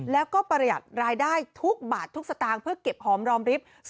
แล้วก็ประหยัดรายได้ทุกบาททุกสตางค์เพื่อเก็บหอมรอมริฟท์